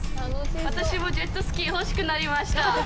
私もジェットスキー、欲しくなりました。